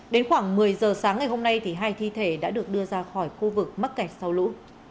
đến khoảng một mươi giờ sáng ngày hôm nay hai thi thể đã được đưa ra khỏi khu vực mắc kẹt sau lũ